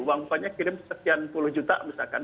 uang upahnya kirim sekian puluh juta misalkan